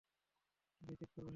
আমরা নিশ্চিত করব সেটা।